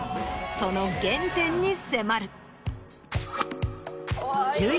その原点に迫る。